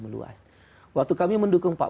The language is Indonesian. meluas waktu kami mendukung pak